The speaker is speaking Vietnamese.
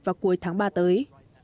vào cuối tháng ba tới